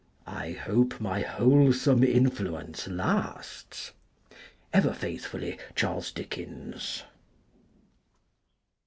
I hope my wholesome influence lasts ? Ever faithfully, Charles Dickens.